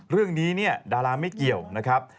เรื่องนี้เนี่ยดาราไม่เกี่ยวนะครับ